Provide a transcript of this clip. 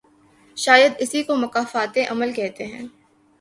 شاید اسی کو مکافات عمل کہتے ہیں۔